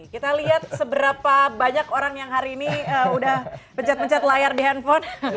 kita lihat seberapa banyak orang yang hari ini udah pencet pencet layar di handphone